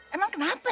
emang kenapa ya